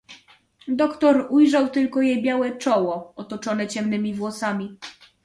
"Doktor ujrzał tylko jej białe czoło, otoczone ciemnymi włosami."